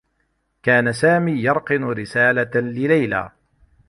كان سامي يرقن رسالة لليلى.